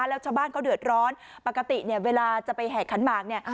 แล้วชาวบ้านเขาเดือดร้อนปกติเนี่ยเวลาจะไปแห่ขันหมากเนี่ย